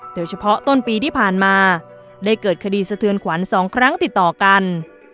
โดยเฉพาะต้นปีที่ผ่านมาได้เกิดคดีสะเทือนขวัญ๒ครั้งติดต่อกัน